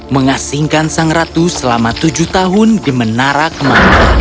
mengasingkan sang ratu selama tujuh tahun di menara kemangun